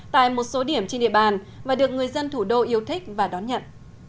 tại một số điểm trên địa bàn mà được người dân thủ đô yêu thích và đón nhận